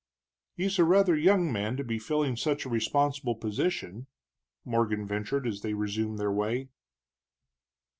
"He's rather a young man to be filling such a responsible position," Morgan ventured as they resumed their way.